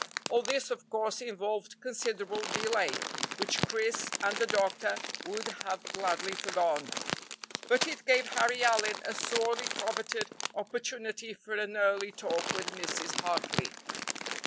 All this, of course, involved considerable delay, which Chris and the doctor would have gladly foregone; but it gave Harry Allyn a sorely coveted opportunity for an early talk with Mrs. Hartley.